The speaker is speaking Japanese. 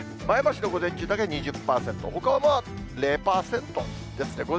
前橋の午前中だけ２０％、ほかは０％ですね。